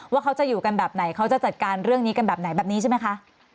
ว่าเขาจะอยู่กันแบบไหนเขาจะจัดการเรื่องนี้กันแบบไหนแบบนี้ใช่ไหมคะ